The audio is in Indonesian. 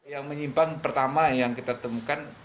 yang menyimpang pertama yang kita temukan